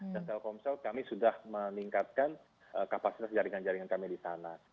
dan telkomsel kami sudah meningkatkan kapasitas jaringan jaringan kami di sana